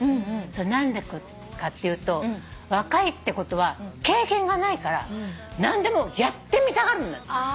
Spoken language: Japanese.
何でかっていうと若いってことは経験がないから何でもやってみたがるんだって。